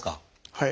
はい。